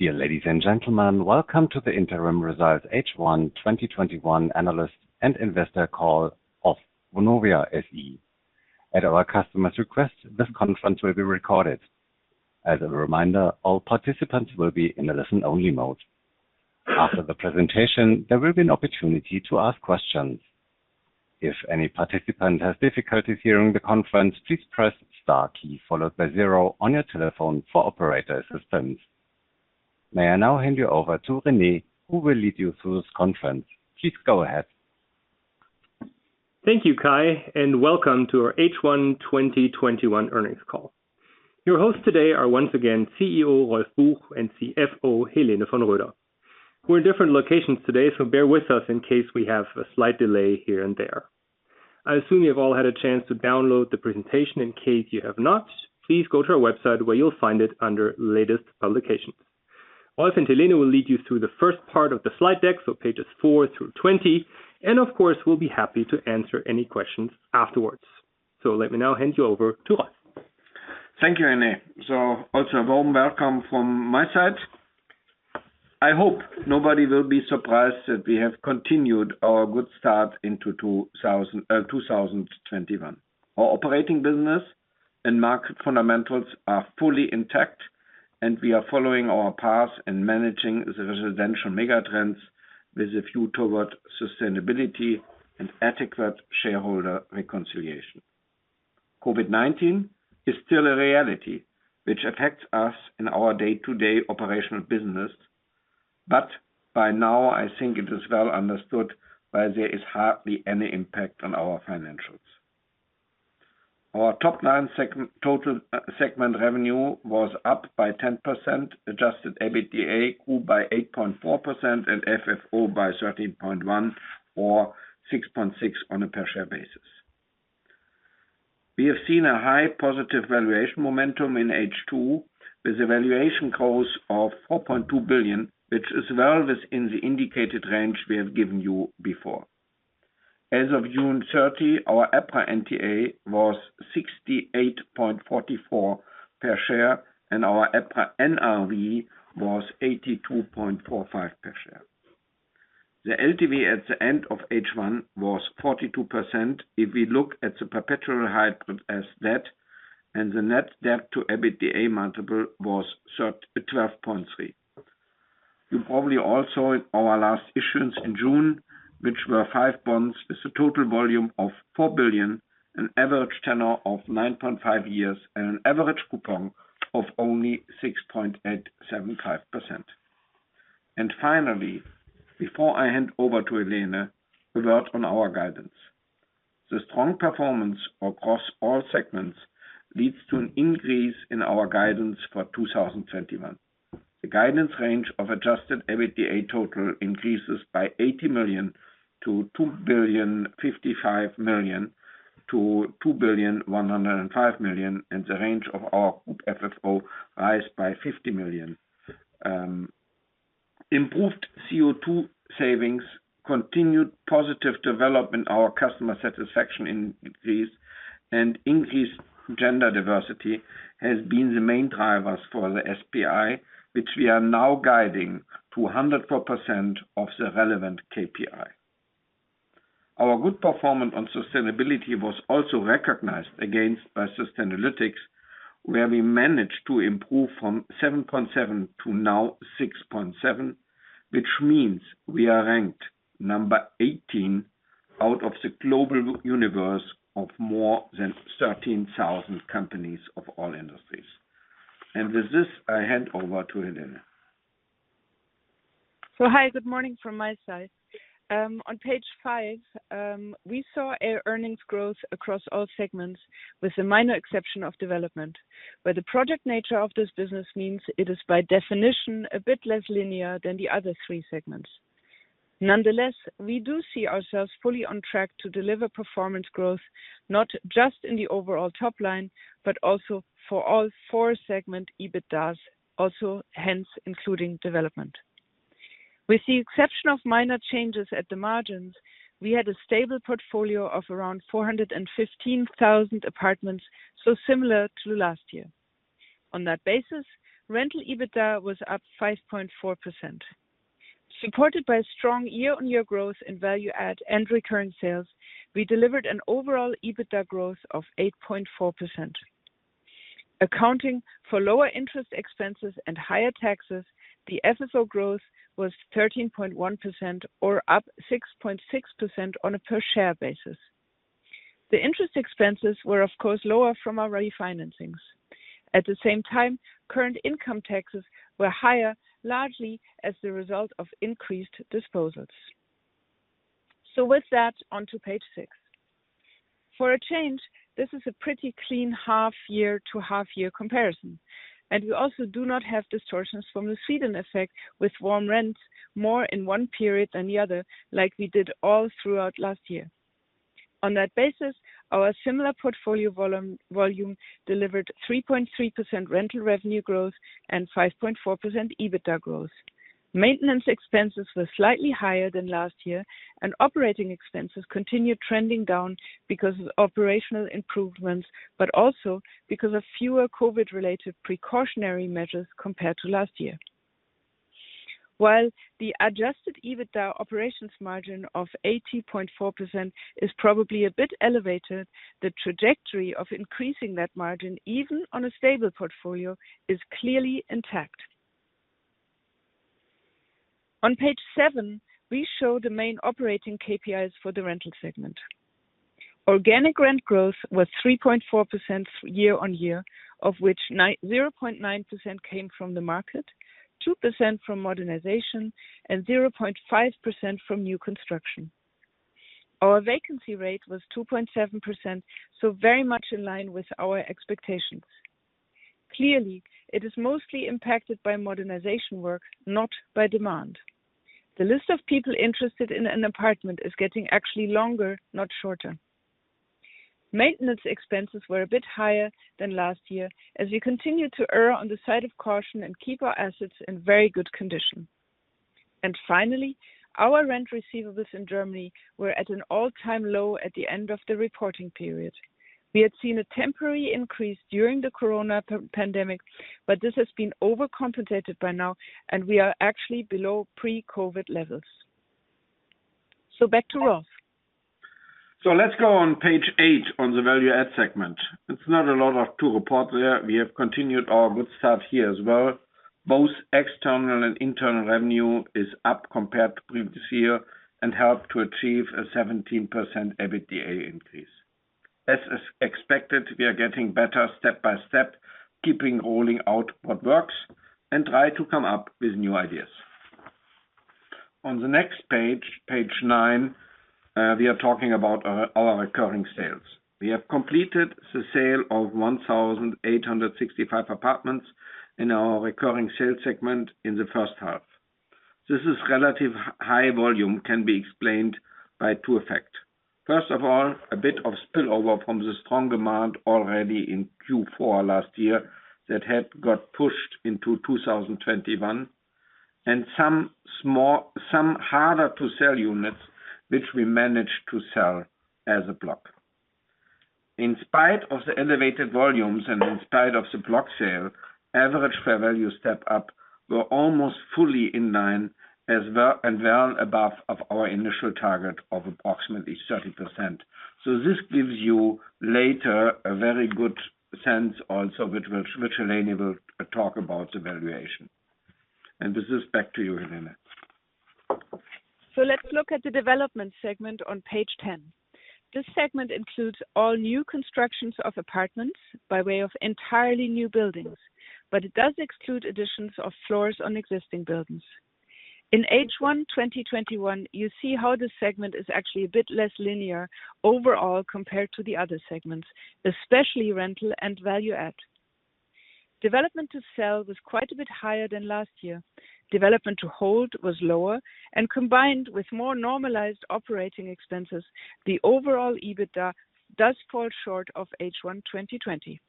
Dear ladies and gentlemen, welcome to the interim results H1 2021 analyst and investor call of Vonovia SE. At our customer's request, this conference will be recorded. As a reminder, all participants will be in a listen-only mode. After the presentation, there will be an opportunity to ask questions. If any participant has difficulties hearing the conference, please press star key followed by zero on your telephone for operator assistance. May I now hand you over to Rene, who will lead you through this conference. Please go ahead. Thank you, Kai, and welcome to our H1 2021 earnings call. Your hosts today are once again Chief Executive Officer Rolf Buch and Chief Financial Officer Helene von Roeder. We're in different locations today, so bear with us in case we have a slight delay here and there. I assume you've all had a chance to download the presentation. In case you have not, please go to our website where you'll find it under latest publications. Rolf and Helene will lead you through the first part of the slide deck, so pages four through 20, and of course, we'll be happy to answer any questions afterwards. Let me now hand you over to Rolf. Thank you, Rene. Also warm welcome from my side. I hope nobody will be surprised that we have continued our good start into 2021. Our operating business and market fundamentals are fully intact, and we are following our path in managing the residential megatrends with a view toward sustainability and adequate shareholder reconciliation. COVID-19 is still a reality, which affects us in our day-to-day operational business. By now, I think it is well understood why there is hardly any impact on our financials. Our top line total segment revenue was up by 10%, adjusted EBITDA grew by 8.4%, and FFO by 13.1% or 6.6% on a per share basis. We have seen a high positive valuation momentum in H2. With a valuation cost of 4.2 billion, which is well within the indicated range we have given you before. As of June 30th, our EPRA NTA was 68.44 per share, and our EPRA NRV was 82.45 per share. The LTV at the end of H1 was 42% if we look at the perpetual hybrid as debt, and the net debt-to-EBITDA multiple was 12.3x. You probably all saw our last issuance in June, which were 5 bonds with a total volume of 4 billion, an average tenor of 9.5 years and an average coupon of only 6.875%. Finally, before I hand over to Helene, a word on our guidance. The strong performance across all segments leads to an increase in our guidance for 2021. The guidance range of adjusted EBITDA total increases by 80 million to 2,055 million to 2,105 million, and the range of our group FFO rise by 50 million. Improved CO2 savings, continued positive development in our customer satisfaction increase, and increased gender diversity has been the main drivers for the SPI, which we are now guiding to 104% of the relevant KPI. Our good performance on sustainability was also recognized again by Sustainalytics, where we managed to improve from 7.7 to now 6.7, which means we are ranked number 18 out of the global universe of more than 13,000 companies of all industries. With this, I hand over to Helene. Hi, good morning from my side. On page five, we saw earnings growth across all segments, with the minor exception of development, where the project nature of this business means it is by definition a bit less linear than the other three segments. Nonetheless, we do see ourselves fully on track to deliver performance growth, not just in the overall top line, but also for all four segment EBITDAs also, hence, including development. With the exception of minor changes at the margins, we had a stable portfolio of around 415,000 apartments, so similar to last year. On that basis, rental EBITDA was up 5.4%. Supported by strong year-on-year growth in value add and recurring sales, we delivered an overall EBITDA growth of 8.4%. Accounting for lower interest expenses and higher taxes, the FFO growth was 13.1% or up 6.6% on a per share basis. The interest expenses were, of course, lower from our refinancings. The same time, current income taxes were higher, largely as the result of increased disposals. With that, onto page six. For a change, this is a pretty clean half-year to half-year comparison, and we also do not have distortions from the season effect with warm rents more in one period than the other like we did all throughout last year. On that basis, our similar portfolio volume delivered 3.3% rental revenue growth and 5.4% EBITDA growth. Maintenance expenses were slightly higher than last year, and operating expenses continued trending down because of operational improvements, but also because of fewer COVID-related precautionary measures compared to last year. While the adjusted EBITDA operations margin of 80.4% is probably a bit elevated, the trajectory of increasing that margin, even on a stable portfolio, is clearly intact. On page seven, we show the main operating KPIs for the rental segment. Organic rent growth was 3.4% year-on-year, of which 0.9% came from the market, 2% from modernization, and 0.5% from new construction. Our vacancy rate was 2.7%, very much in line with our expectations. Clearly, it is mostly impacted by modernization work, not by demand. The list of people interested in an apartment is getting actually longer, not shorter. Maintenance expenses were a bit higher than last year, as we continue to err on the side of caution and keep our assets in very good condition. Finally, our rent receivables in Germany were at an all-time low at the end of the reporting period. We had seen a temporary increase during the Corona pandemic, this has been overcompensated by now, and we are actually below pre-COVID levels. Back to Rolf. Let's go on page eight, on the value-add segment. It's not a lot to report there. We have continued our good start here as well. Both external and internal revenue is up compared to previous year and helped to achieve a 17% EBITDA increase. As expected, we are getting better step by step, keeping rolling out what works and try to come up with new ideas. On the next page nine, we are talking about our recurring sales. We have completed the sale of 1,865 apartments in our recurring sales segment in the first half. This is relatively high volume can be explained by two effects. First of all, a bit of spillover from the strong demand already in Q4 last year that had got pushed into 2021, and some harder-to-sell units, which we managed to sell as a block. In spite of the elevated volumes and in spite of the block sale, average fair value step up were almost fully in line and well above of our initial target of approximately 30%. This gives you later a very good sense also, which Helene will talk about the valuation. With this, back to you, Helene. Let's look at the development segment on page 10. This segment includes all new constructions of apartments by way of entirely new buildings, but it does exclude additions of floors on existing buildings. In H1 2021, you see how this segment is actually a bit less linear overall compared to the other segments, especially rental and value add. Development to sell was quite a bit higher than last year. Development to hold was lower, and combined with more normalized operating expenses, the overall EBITDA does fall short of H1 2020.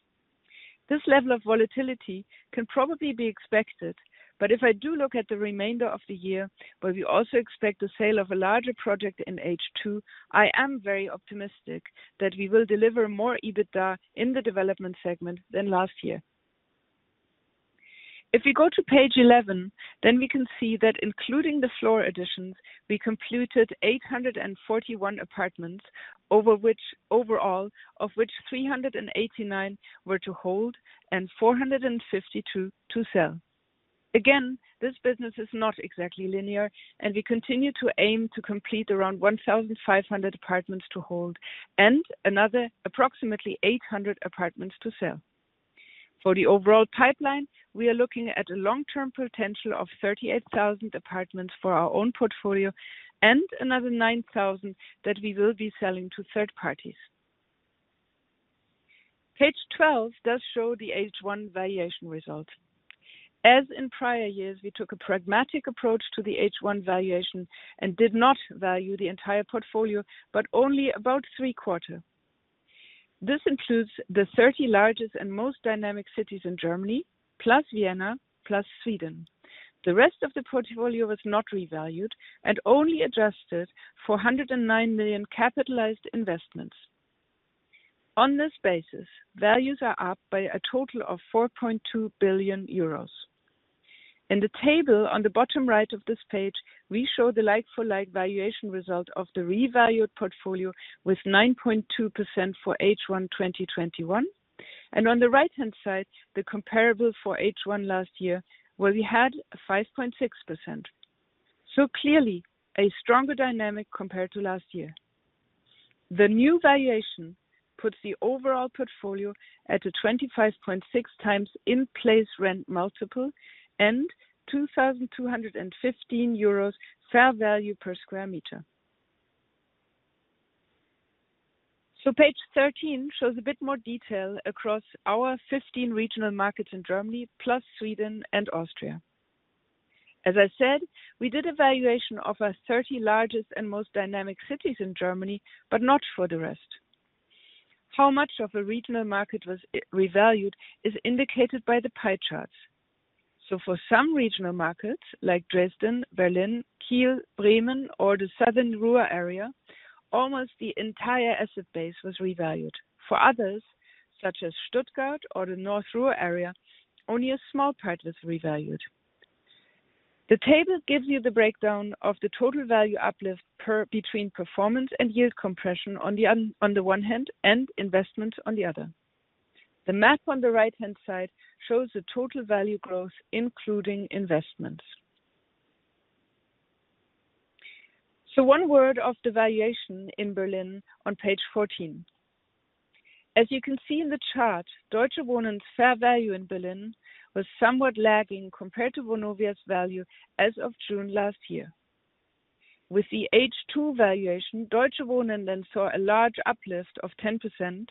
This level of volatility can probably be expected, but if I do look at the remainder of the year, where we also expect the sale of a larger project in H2, I am very optimistic that we will deliver more EBITDA in the development segment than last year. If we go to page 11, we can see that including the floor additions, we completed 841 apartments, over which overall, of which 389 apartments were to hold and 452 apartments to sell. Again, this business is not exactly linear, we continue to aim to complete around 1,500 apartments to hold and another approximately 800 apartments to sell. For the overall pipeline, we are looking at a long-term potential of 38,000 apartments for our own portfolio and another 9,000 apartments that we will be selling to third parties. Page 12 does show the H1 valuation result. As in prior years, we took a pragmatic approach to the H1 valuation, did not value the entire portfolio, only about three-quarter. This includes the 30 largest and most dynamic cities in Germany, plus Vienna, plus Sweden. The rest of the portfolio was not revalued, only adjusted for 109 million capitalized investments. On this basis, values are up by a total of 4.2 billion euros. In the table on the bottom right of this page, we show the like for like valuation result of the revalued portfolio with 9.2% for H1 2021, and on the right-hand side, the comparable for H1 last year, where we had 5.6%. Clearly, a stronger dynamic compared to last year. The new valuation puts the overall portfolio at a 25.6x in place rent multiple and 2,215 euros fair value per sq m. Page 13 shows a bit more detail across our 15 regional markets in Germany, plus Sweden and Austria. As I said, we did a valuation of our 30 largest and most dynamic cities in Germany, but not for the rest. How much of a regional market was revalued is indicated by the pie charts. For some regional markets, like Dresden, Berlin, Kiel, Bremen, or the Southern Ruhr area, almost the entire asset base was revalued. For others, such as Stuttgart or the North Ruhr area, only a small part was revalued. The table gives you the breakdown of the total value uplift between performance and yield compression on the one hand, and investment on the other. The map on the right-hand side shows the total value growth, including investments. One word of the valuation in Berlin on page 14. As you can see in the chart, Deutsche Wohnen's fair value in Berlin was somewhat lagging compared to Vonovia's value as of June last year. With the H2 valuation, Deutsche Wohnen then saw a large uplift of 10%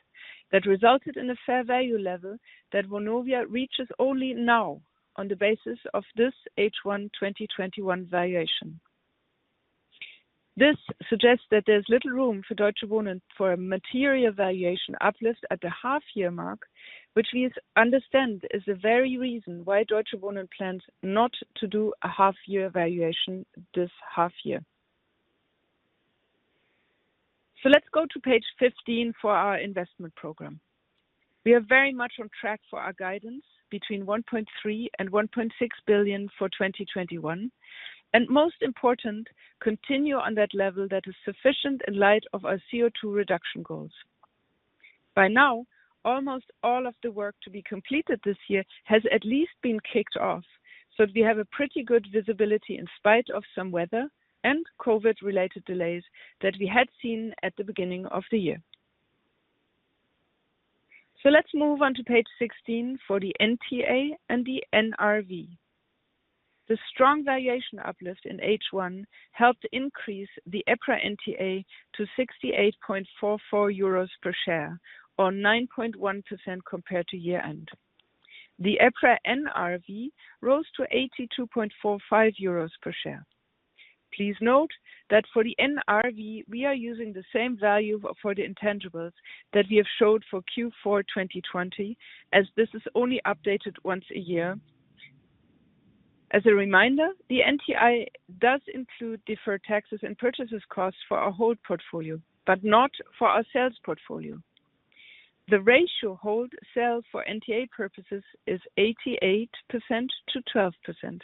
that resulted in a fair value level that Vonovia reaches only now on the basis of this H1 2021 valuation. This suggests that there's little room for Deutsche Wohnen for a material valuation uplift at the half year mark, which we understand is the very reason why Deutsche Wohnen plans not to do a half year valuation this half year. Let's go to page 15 for our investment program. We are very much on track for our guidance between 1.3 billion and 1.6 billion for 2021, and most important, continue on that level that is sufficient in light of our CO₂ reduction goals. By now, almost all of the work to be completed this year has at least been kicked off. We have a pretty good visibility in spite of some weather and COVID related delays that we had seen at the beginning of the year. Let's move on to page 16 for the NTA and the NRV. The strong valuation uplift in H1 helped increase the EPRA NTA to 68.44 euros per share or 9.1% compared to year end. The EPRA NRV rose to 82.45 euros per share. Please note that for the NRV, we are using the same value for the intangibles that we have showed for Q4 2020, as this is only updated once a year. As a reminder, the NTA does include deferred taxes and purchases costs for our hold portfolio, but not for our sales portfolio. The ratio hold/sell for NTA purposes is 88%-12%.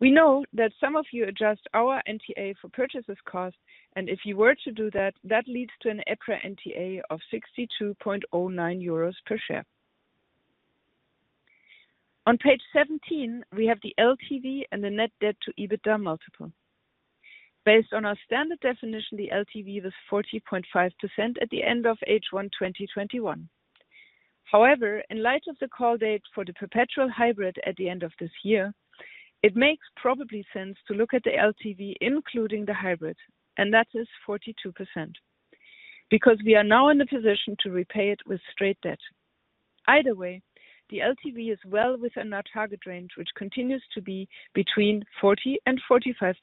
We know that some of you adjust our NTA for purchases cost, and if you were to do that leads to an EPRA NTA of 62.09 euros per share. On page 17, we have the LTV and the net debt to EBITDA multiple. Based on our standard definition, the LTV was 40.5% at the end of H1 2021. In light of the call date for the perpetual hybrid at the end of this year, it makes probably sense to look at the LTV, including the hybrid, and that is 42%, because we are now in a position to repay it with straight debt. Either way, the LTV is well within our target range, which continues to be between 40%-45%.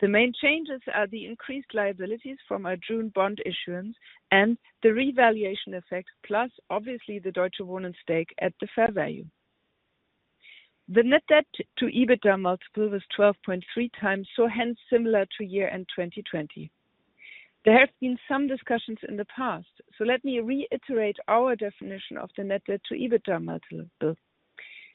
The main changes are the increased liabilities from our June bond issuance and the revaluation effect, plus obviously the Deutsche Wohnen stake at the fair value. The net debt to EBITDA multiple was 12.3x, hence similar to year end 2020. There have been some discussions in the past, let me reiterate our definition of the net debt to EBITDA multiple.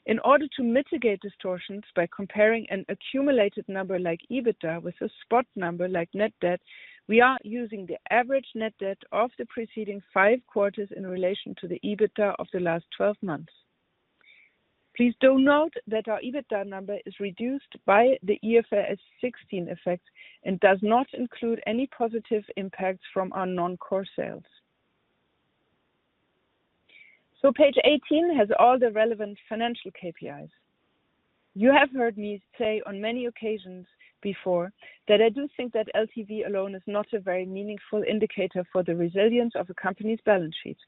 In order to mitigate distortions by comparing an accumulated number like EBITDA with a spot number like net debt, we are using the average net debt of the preceding five quarters in relation to the EBITDA of the last 12 months. Please do note that our EBITDA number is reduced by the IFRS 16 effect and does not include any positive impacts from our non-core sales. Page 18 has all the relevant financial KPIs. You have heard me say on many occasions before that I do think that LTV alone is not a very meaningful indicator for the resilience of a company's balance sheet.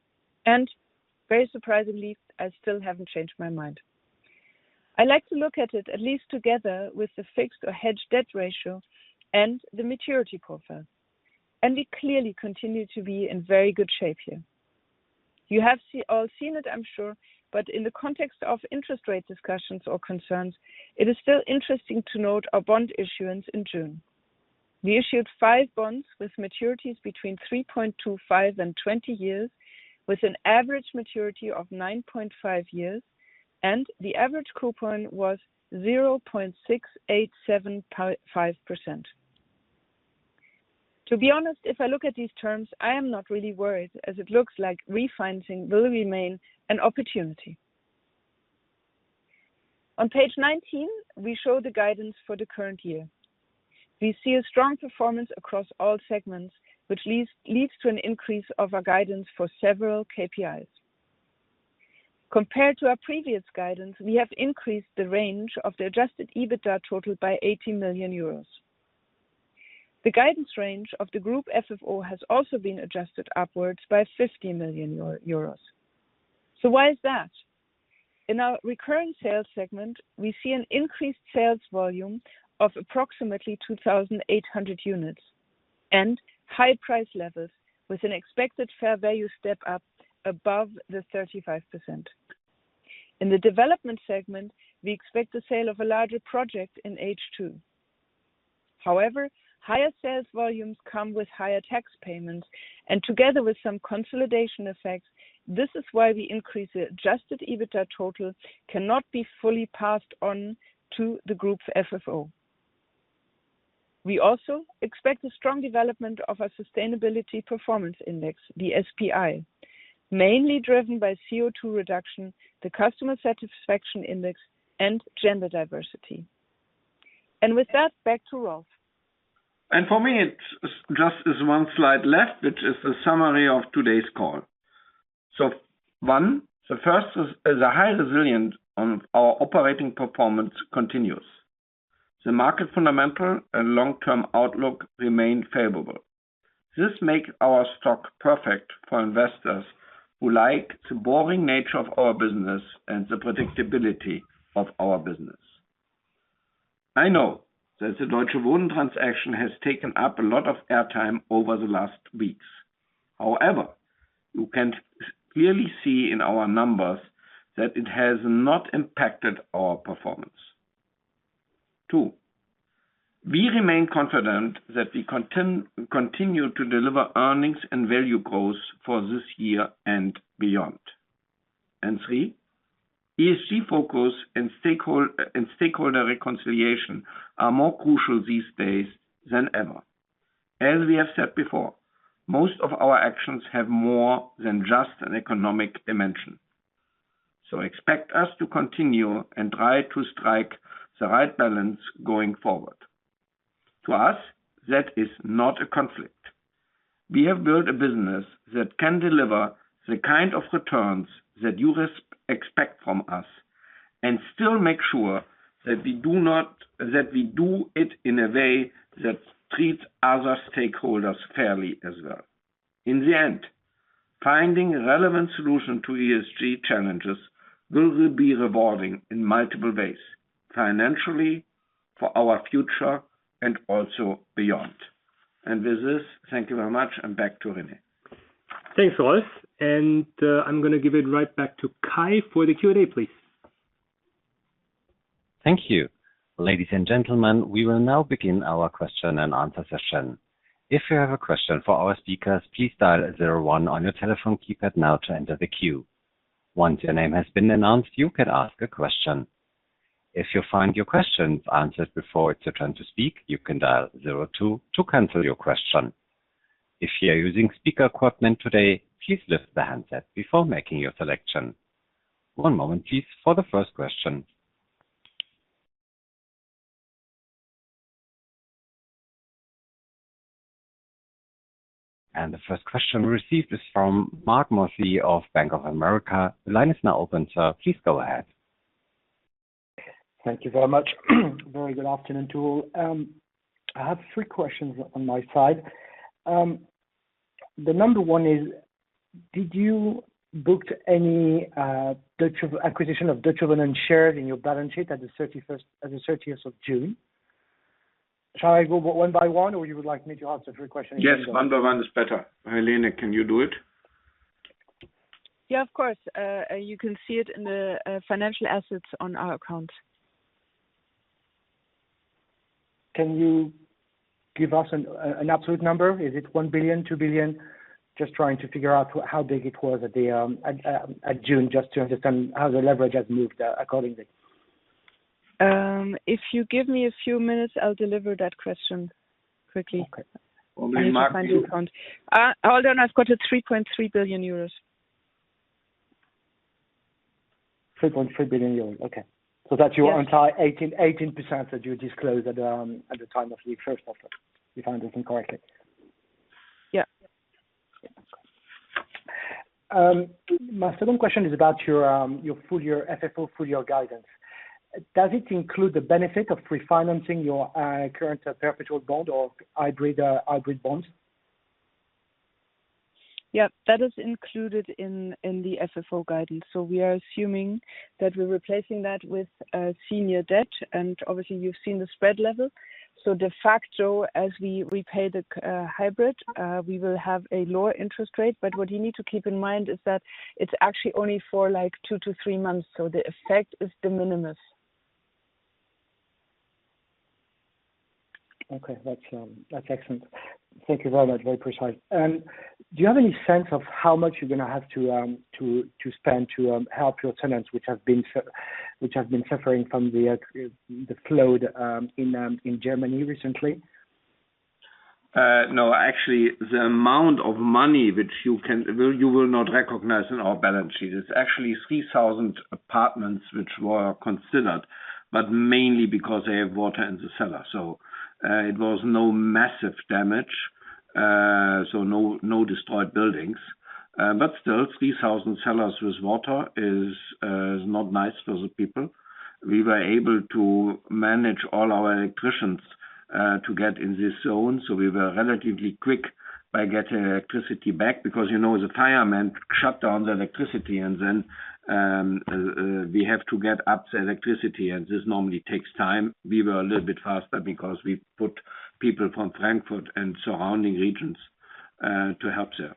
Very surprisingly, I still haven't changed my mind. I like to look at it at least together with the fixed or hedged debt ratio and the maturity profile. We clearly continue to be in very good shape here. You have all seen it, I'm sure. In the context of interest rate discussions or concerns, it is still interesting to note our bond issuance in June. We issued five bonds with maturities between 3.25 years-20 years, with an average maturity of 9.5 years. The average coupon was 0.6875%. To be honest, if I look at these terms, I am not really worried as it looks like refinancing will remain an opportunity. On page 19, we show the guidance for the current year. We see a strong performance across all segments, which leads to an increase of our guidance for several KPIs. Compared to our previous guidance, we have increased the range of the adjusted EBITDA total by 80 million euros. The guidance range of the group FFO has also been adjusted upwards by 50 million euros. Why is that? In our recurring sales segment, we see an increased sales volume of approximately 2,800 units and high price levels with an expected fair value step up above the 35%. In the development segment, we expect the sale of a larger project in H2. Higher sales volumes come with higher tax payments, and together with some consolidation effects, this is why the increased adjusted EBITDA total cannot be fully passed on to the group's FFO. We also expect a strong development of our sustainability performance index, the SPI, mainly driven by CO₂ reduction, the customer satisfaction index, and gender diversity. With that, back to Rolf. For me, it just is one slide left, which is the summary of today's call. One, the first is the high resilience on our operating performance continues. The market fundamental and long-term outlook remain favorable. This makes our stock perfect for investors who like the boring nature of our business and the predictability of our business. I know that the Deutsche Wohnen transaction has taken up a lot of airtime over the last weeks. However, you can clearly see in our numbers that it has not impacted our performance. Two, we remain confident that we continue to deliver earnings and value growth for this year and beyond. Three, ESG focus and stakeholder reconciliation are more crucial these days than ever. As we have said before, most of our actions have more than just an economic dimension. Expect us to continue and try to strike the right balance going forward. To us, that is not a conflict. We have built a business that can deliver the kind of returns that you expect from us and still make sure that we do it in a way that treats other stakeholders fairly as well. In the end, finding relevant solutions to ESG challenges will be rewarding in multiple ways, financially, for our future, and also beyond. With this, thank you very much, and back to Rene. Thanks, Rolf. I'm going to give it right back to Kai for the Q&A, please. Thank you. Ladies and gentlemen, we will now begin our question and answer session. If you have a question for our speakers, please dial zero one on your telephone keypad now to enter the queue. Once your name has been announced, you can ask a question. If you find your questions answered before it's your turn to speak, you can dial zero two to cancel your question. If you are using speaker equipment today, please lift the handset before making your selection. One moment please for the first question. The first question we received is from Marc Mozzi of Bank of America. The line is now open, sir. Please go ahead. Thank you very much. Very good afternoon to all. I have three questions on my side. The number 1 is, did you book any acquisition of Deutsche Wohnen shares in your balance sheet as of June 30th? Shall I go one by one, or you would like me to ask the three questions in one go? Yes, one by one is better. Helene, can you do it? Yeah, of course. You can see it in the financial assets on our account. Can you give us an absolute number? Is it 1 billion, 2 billion? Just trying to figure out how big it was at June, just to understand how the leverage has moved accordingly. If you give me a few minutes, I'll deliver that question quickly. Only Marc Mozzi can- I need to find the account. Hold on. I've got it. 3.3 billion euros. 3.3 billion euros. Okay. That's your entire 18% that you disclosed at the time of the first offer, if I understand correctly? Yeah. My second question is about your FFO full-year guidance. Does it include the benefit of refinancing your current perpetual bond or hybrid bond? Yeah. That is included in the FFO guidance. We are assuming that we're replacing that with senior debt, and obviously you've seen the spread level. De facto, as we pay the hybrid, we will have a lower interest rate. What you need to keep in mind is that it's actually only for two to three months, so the effect is de minimis. Okay. That's excellent. Thank you very much. Very precise. Do you have any sense of how much you're going to have to spend to help your tenants, which have been suffering from the flood in Germany recently? No. Actually, the amount of money which you will not recognize in our balance sheet. It's actually 3,000 apartments which were considered, but mainly because they have water in the cellar. It was no massive damage. No destroyed buildings. Still, 3,000 cellars with water is not nice for the people. We were able to manage all our technicians to get in this zone. We were relatively quick by getting electricity back because the firemen shut down the electricity and then we have to get up the electricity and this normally takes time. We were a little bit faster because we put people from Frankfurt and surrounding regions to help there.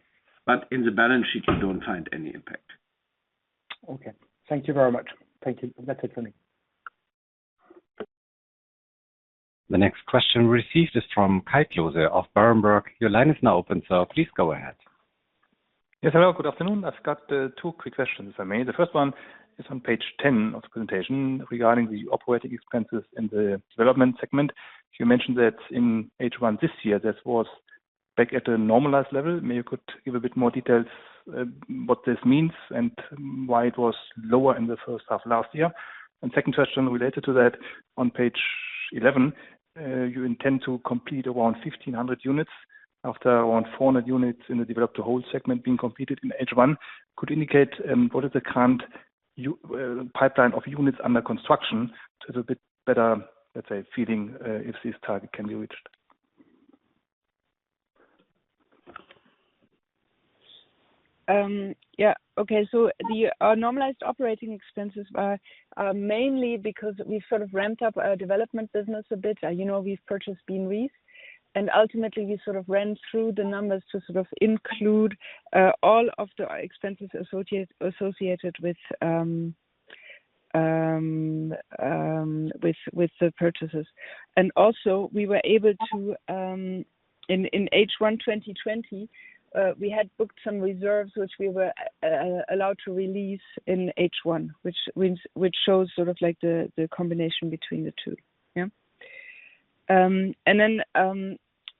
In the balance sheet you don't find any impact. Okay. Thank you very much. Thank you. That's it for me. The next question received is from Kai Klose of Berenberg. Your line is now open, sir. Please go ahead. Yes, hello. Good afternoon. I've got two quick questions, if I may. The first one is on page 10 of the presentation regarding the operating expenses in the development segment. You mentioned that in H1 this year, that was back at a normalized level. Maybe you could give a bit more details what this means and why it was lower in the first half of last year. Second question related to that, on page 11, you intend to complete around 1,500 units after around 400 units in the develop to hold segment being completed in H1. Could you indicate what is the current pipeline of units under construction to a bit better, let's say, feeling if this target can be reached? Yeah. Okay. The normalized operating expenses are mainly because we sort of ramped up our development business a bit. We've purchased Bien-Ries, and ultimately we sort of ran through the numbers to sort of include all of the expenses associated with the purchases. Also we were able to, in H1 2020, we had booked some reserves which we were allowed to release in H1, which shows the combination between the two. Yeah.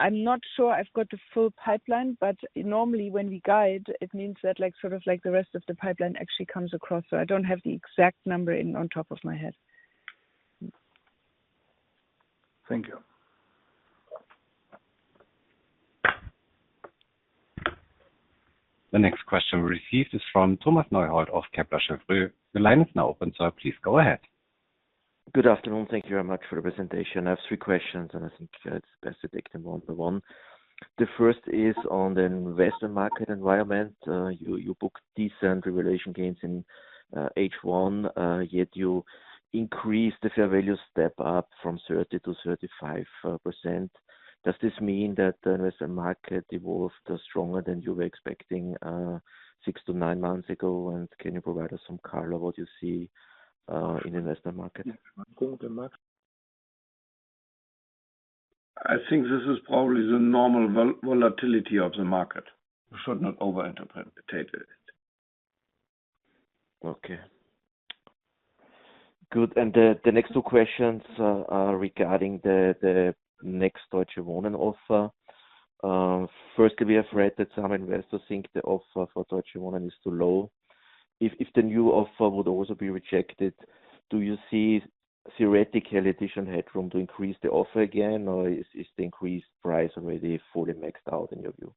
I'm not sure I've got the full pipeline, but normally when we guide, it means that the rest of the pipeline actually comes across. I don't have the exact number on top of my head. Thank you. The next question we received is from Thomas Neuhold of Kepler Cheuvreux. Your line is now open, sir. Please go ahead. Good afternoon. Thank you very much for the presentation. I have 3 questions, and I think it's best to take them one by one. The first is on the investment market environment. You booked decent revaluation gains in H1, yet you increased the fair value step up from 30%-35%. Does this mean that the investment market evolved stronger than you were expecting six to nine months ago? Can you provide us some color what you see in investment market? I think this is probably the normal volatility of the market. You should not over-interpret it. Okay. Good. The next two questions are regarding the next Deutsche Wohnen offer. Firstly, we have read that some investors think the offer for Deutsche Wohnen is too low. If the new offer would also be rejected, do you see theoretically additional headroom to increase the offer again, or is the increased price already fully maxed out in your view?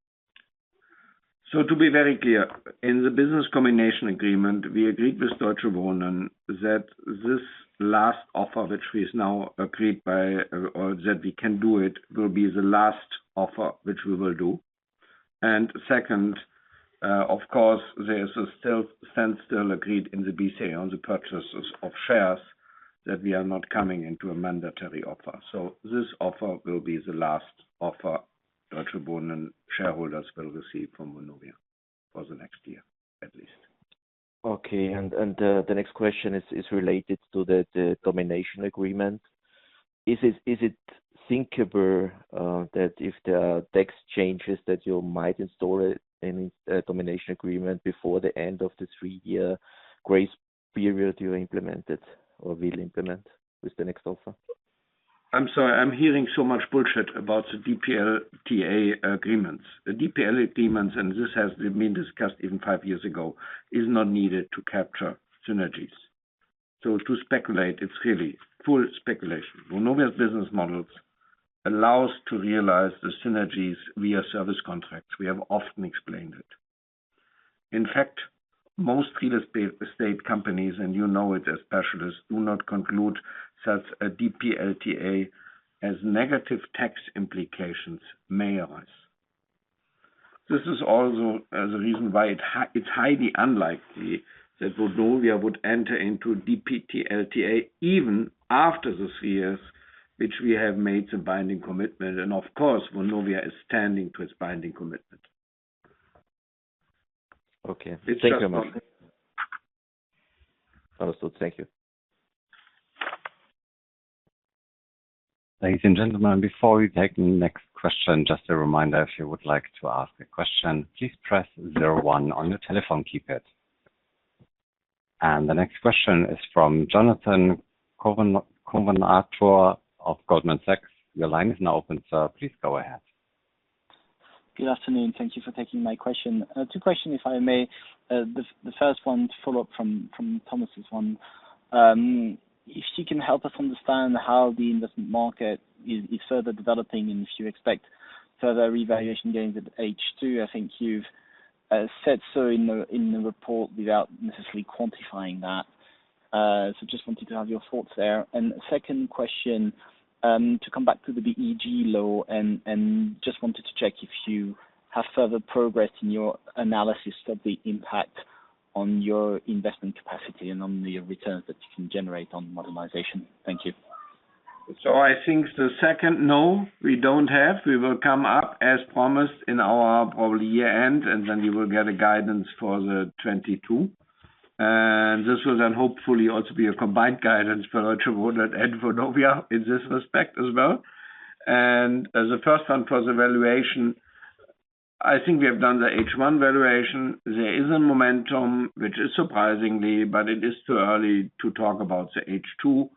To be very clear, in the business combination agreement, we agreed with Deutsche Wohnen that this last offer, which we can do it, will be the last offer, which we will do. Second, of course, there is a standstill agreed in the BCA on the purchases of shares that we are not coming into a mandatory offer. This offer will be the last offer Deutsche Wohnen shareholders will receive from Vonovia for the next year at least. Okay. The next question is related to the combination agreement. Is it thinkable that if the tax changes that you might install any combination agreement before the end of the three-year grace period you implemented or will implement with the next offer? I'm sorry. I'm hearing so much bullshit about the DPLTA agreements. The DPL agreements, and this has been discussed even five years ago, is not needed to capture synergies. To speculate, it's really full speculation. Vonovia's business models allow us to realize the synergies via service contracts. We have often explained it. In fact, most real estate companies, and you know it as specialists, do not conclude such a DPLTA as negative tax implications may arise. This is also the reason why it's highly unlikely that Vonovia would enter into DPLTA even after those years, which we have made the binding commitment. Of course, Vonovia is standing to its binding commitment. Okay. Thank you much. It's just- Also, thank you. Ladies and gentlemen, before we take the next question, just a reminder, if you would like to ask a question, please press zero one on your telephone keypad. The next question is from Jonathan Kownator of Goldman Sachs. Your line is now open, sir. Please go ahead. Good afternoon. Thank you for taking my question. Two question, if I may. The first one to follow up from Thomas' one. If you can help us understand how the investment market is further developing and if you expect further revaluation gains at H2. I think you've said so in the report without necessarily quantifying that. Just wanted to have your thoughts there. Second question, to come back to the GEG law and just wanted to check if you have further progress in your analysis of the impact on your investment capacity and on the returns that you can generate on modernization. Thank you. I think the second, no, we don't have. We will come up as promised in our probably year-end, then we will get a guidance for the 2022. This will then hopefully also be a combined guidance for Deutsche Wohnen and Vonovia in this respect as well. The first one for the valuation, I think we have done the H1 valuation. There is a momentum, which is surprisingly, but it is too early to talk about the H2.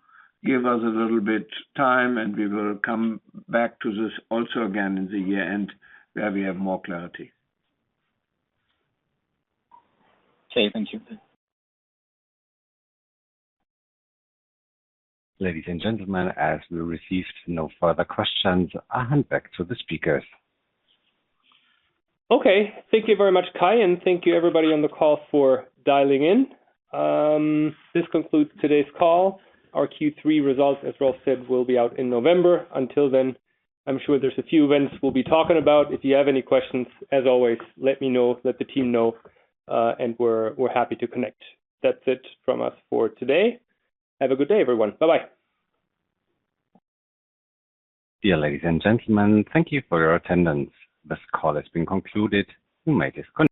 Give us a little bit time and we will come back to this also again in the year-end where we have more clarity. Okay, thank you. Ladies and gentlemen, as we received no further questions, I hand back to the speakers. Okay. Thank you very much, Kai, and thank you everybody on the call for dialing in. This concludes today's call. Our Q3 results, as Rolf said, will be out in November. Until then, I'm sure there's a few events we'll be talking about. If you have any questions, as always, let me know, let the team know, and we're happy to connect. That's it from us for today. Have a good day, everyone. Bye-bye. Dear ladies and gentlemen, thank you for your attendance. This call has been concluded. You may disconnect.